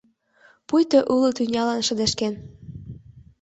Пуйто уло тӱнялан шыдешкен.